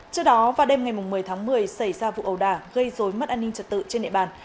trước đó vào đêm ngày một mươi tháng một mươi xảy ra vụ ầu đà gây dối mất an ninh trật tự trên địa bàn